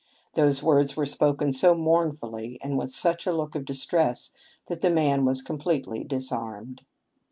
" These words were spoken so mournfully and with such a look of distress that the man was completely disarmed.